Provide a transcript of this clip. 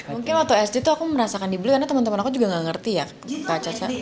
mungkin waktu sd tuh aku merasakan dibeli karena teman teman aku juga gak ngerti ya kak caca